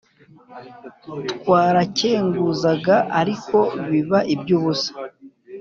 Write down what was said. twarakenguzaga ariko biba iby’ubusa: